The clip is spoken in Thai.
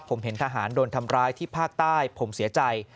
ผมเห็นทหารโดนทำร้ายที่ภาคใต้ผมเสียใจ